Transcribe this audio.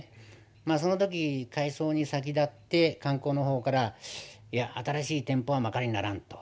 まあその時改装に先立って観光の方からいや新しい店舗はまかりならんと。